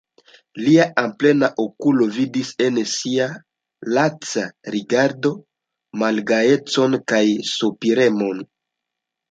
Lia amplena okulo vidis en ŝia laca rigardo malgajecon kaj sopiremon.